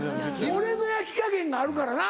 俺の焼き加減があるからな。